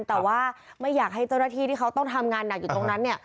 แต่ว่าไม่อยากให้เจ้าหน้าที่ที่เขาต้องทำงานหนักอยู่ตรงนั้นเนี่ย